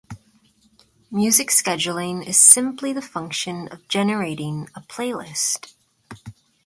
Music scheduling is simply the function of generating a playlist.